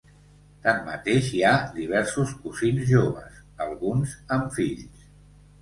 Tanmateix, hi ha diversos cosins joves, alguns amb fills.